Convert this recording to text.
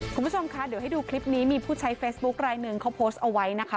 คุณผู้ชมคะเดี๋ยวให้ดูคลิปนี้มีผู้ใช้เฟซบุ๊คลายหนึ่งเขาโพสต์เอาไว้นะคะ